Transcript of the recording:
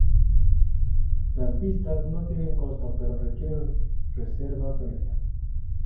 Las visitas no tienen costo pero requieren reserva previa.